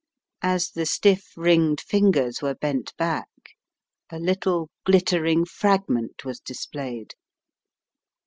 As the stiff ringed fingers were bent back, a little glittering fragment was displayed.